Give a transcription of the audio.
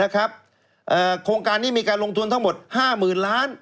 โครงการนี้มีการลงทุนทั้งหมดห้าหมื่นล้าน